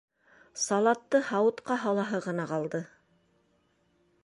Салатты һауытҡа һалаһы ғына ҡалды.